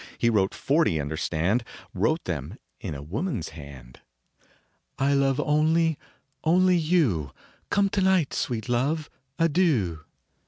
He wrote forty, understand, Wrote them in a woman s hand. "I love only only you ; Come tonight, sweet love. Adieu